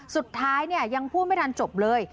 สุดท้ายเนี่ยยังพูดไม่ทันจบเลย